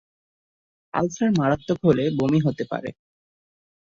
Ulcer মারাত্মক হলে বমি হতে পারে।